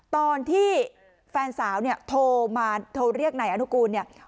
ตอนที่แฟนสาวเนี่ยโทรมาโทรเรียกนายอนุกูลเนี่ย